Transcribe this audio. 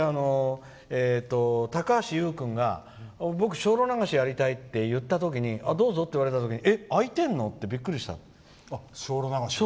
高橋優君が僕「精霊流し」やりたいって言った時にどうぞって言われてえっ、空いてるの？ってびっくりしたって。